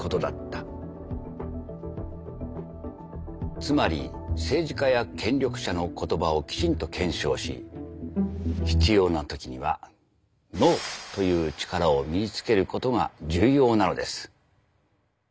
つまり政治家や権力者の言葉をきちんと検証し必要な時にはＮＯという力を身につけることが重要なのです。